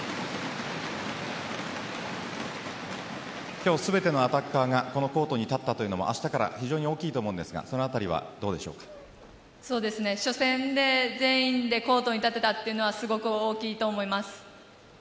今日、全てのアタッカーがこのコートに立ったというのも明日から非常に大きいと思うんですが初戦で全員でコートに立てたというのはすごく大きいと思います。